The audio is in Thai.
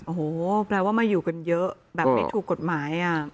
โอ้โหแปลว่ามาอยู่กันเยอะแบบไม่ถูกกฎหมาย